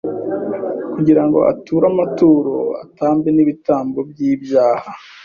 kugira ngo ature amaturo, atambe n’ibitambo by’ibyaha